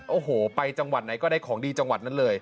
โอ้โหไปจังหวัดไหนก็ได้ของดีจังหวัดนั้นเลย